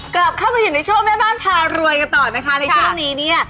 กลับเข้ามาอยู่ในช่วงแม่บ้านพารวยกันต่อนะคะในช่วงนี้เนี่ย